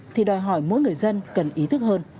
thì đòi hỏi mỗi người dân cần ý thức hơn